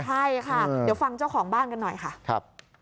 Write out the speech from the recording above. ใช่ค่ะเดี๋ยวฟังเจ้าของบ้านกันหน่อยค่ะครับ